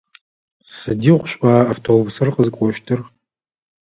Сыдигъу шӏуа автобусыр къызыкӏощтыр?